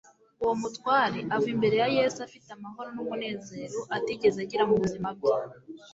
Uwo mutware ava imbere ya Yesu afite amahoro n’umunezero atigeze agira mu buzima bwe